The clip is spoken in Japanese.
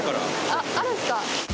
あっ、あるんすか。